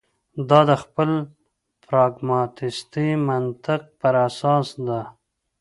دا د خپل پراګماتیستي منطق پر اساس ده.